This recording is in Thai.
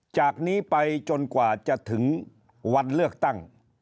จากนี้ไปจนกว่าจะถึงวันเลือกตั้ง